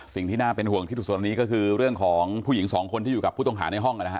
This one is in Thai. สิ่งที่น่าเป็นห่วงที่สุดส่วนนี้ก็คือเรื่องของผู้หญิงสองคนที่อยู่กับผู้ต้องหาในห้องนะฮะ